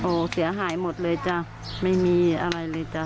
โอ้โหเสียหายหมดเลยจ้ะไม่มีอะไรเลยจ้ะ